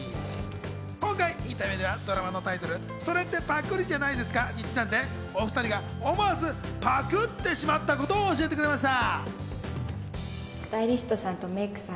今回、インタビューではドラマのタイトル『それってパクリじゃないですか？』にちなんで、お２人が思わずパクってしまったことを教えてくれました。